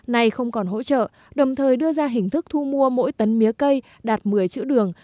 này không còn hỗ trợ đồng thời đưa ra hình thức thu mua mỗi tấn mía cây đạt một mươi triệu đồng